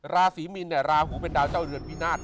ราศีมินเนี่ยราหูเป็นดาวเจ้าเรือนวินาศ